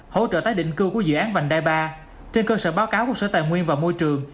hỗ trợ tái định cư của dự án vành đai ba trên cơ sở báo cáo của sở tài nguyên và môi trường